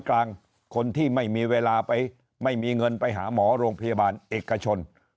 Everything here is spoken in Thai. กลางคนที่ไม่มีเวลาไปไม่มีเงินไปหาหมอโรงพยาบาลเอกชน